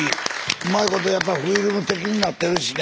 うまいことやっぱりフィルム的になってるしね。